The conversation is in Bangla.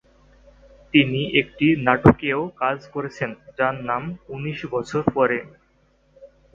তিনি একটি নাটকেও কাজ করেছেন যার নাম "উনিশ বছর পরে"।